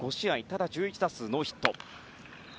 ただ１１打数ノーヒット。